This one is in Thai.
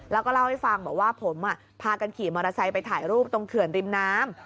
แล้วก็เล่าให้ฟังบอกว่าผมพากันขี่มอเตอร์ไซค์ไปถ่ายรูปตรงเขื่อนริมน้ำ